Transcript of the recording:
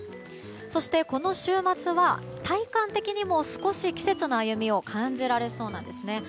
そしてこの週末は体感的にも少し季節の歩みを感じられそうなんですね。